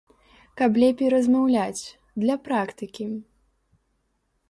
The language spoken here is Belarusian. Каб лепей размаўляць, для практыкі!